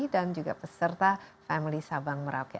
dan juga peserta family sabang merauke